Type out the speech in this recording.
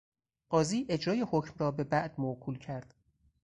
قاضی اجرای حکم را به بعد موکول کرد.